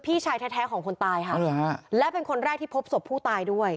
พี่ชายแท้ของคนตายค่ะและเป็นคนแรกที่พบศพผู้ตายด้วย